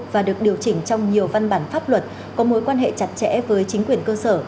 và được điều chỉnh trong nhiều văn bản pháp luật có mối quan hệ chặt chẽ với chính quyền cơ sở